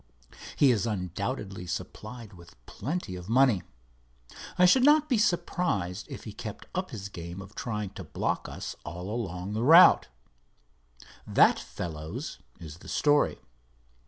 He is undoubtedly supplied with plenty of money. I should not be surprised if he kept up his game of trying to block us all along the route. That, fellows, is the story.